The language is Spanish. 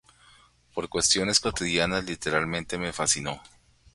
Por cuestiones cotidianas, literalmente, me fascinó